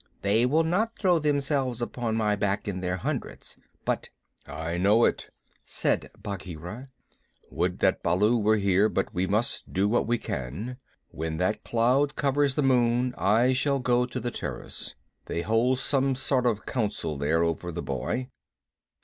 They will not throw themselves upon my back in their hundreds, but " "I know it," said Bagheera. "Would that Baloo were here, but we must do what we can. When that cloud covers the moon I shall go to the terrace. They hold some sort of council there over the boy."